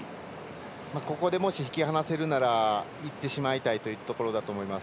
ここで引き離せるならいってしまいたいというところだと思います。